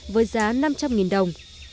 với giá năm trăm linh đồng